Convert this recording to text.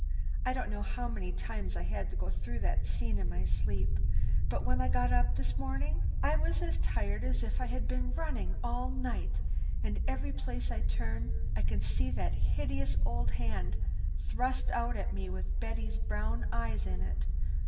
I don't know how many times I had to go through that scene in my sleep, but when I got up this morning I was as tired as if I had been running all night, and every place I turn I can see that hideous old hand thrust out at me with Betty's brown eyes in it.